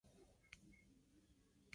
Su canción consiste en agradables trinos.